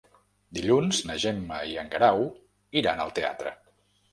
Dilluns na Gemma i en Guerau iran al teatre.